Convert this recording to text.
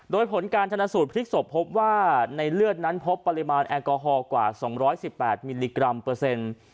โดยผลการชนะสูตรพลิกศพพบว่าในเลือดนั้นพบปริมาณแอลกอฮอลกว่า๒๑๘มิลลิกรัมเปอร์เซ็นต์